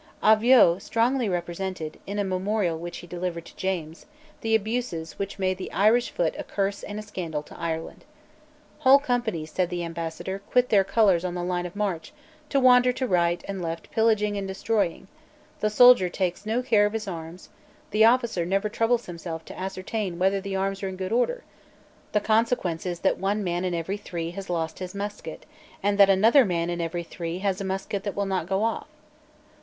Avaux strongly represented, in a memorial which he delivered to James, the abuses which made the Irish foot a curse and a scandal to Ireland. Whole companies, said the ambassador, quit their colours on the line of march and wander to right and left pillaging and destroying; the soldier takes no care of his arms; the officer never troubles himself to ascertain whether the arms are in good order; the consequence is that one man in every three has lost his musket, and that another man in every three has a musket that will not go off.